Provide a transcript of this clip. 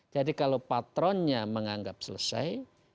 jadi kalau patronnya menganggap selesai